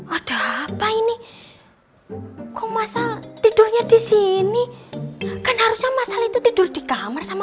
ada apa ini kok masa tidurnya disini kan harusnya masalah itu tidur di kamar sama